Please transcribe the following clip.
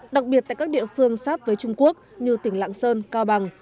đặc biệt tại các địa phương sát với trung quốc như tỉnh lạng sơn cao bằng